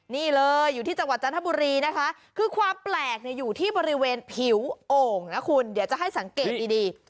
นี่เลยอยู่ที่จังหวัดจันทบุรีนะคะคือความแปลกอยู่ที่บริเวณผิวโอ่งนะคุณเดี๋ยวจะให้สังเกตดี